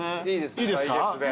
いいですか？